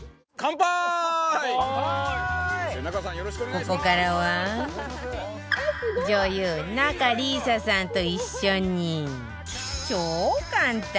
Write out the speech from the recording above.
ここからは女優、仲里依紗さんと一緒に超簡単！